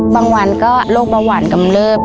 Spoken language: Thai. บางวันก็โรคเบาหวานกำเลิบ